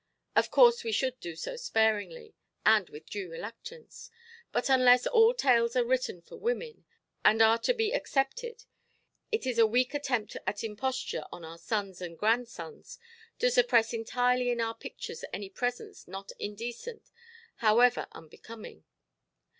Of course we should do it sparingly, and with due reluctance. But, unless all tales are written for women, and are so to be accepted, it is a weak attempt at imposture on our sons and grandsons to suppress entirely in our pictures any presence not indecent, however unbecoming.